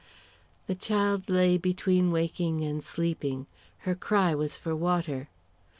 The child lay between waking and sleeping. Her cry was for water.